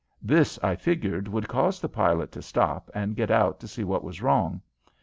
This, I figured, would cause the pilot to stop and get out to see what was wrong.